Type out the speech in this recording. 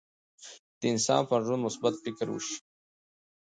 چې د انسان پر ژوند مثبت فکر وشي.